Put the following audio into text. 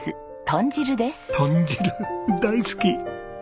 豚汁大好き。